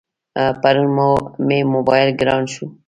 پرون مې موبایل گران شو.